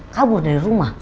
kabur dari rumah